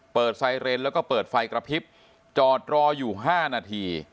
เปิดไซเรนแล้วก็เปิดไฟกระพริบจอดรออยู่๕นาที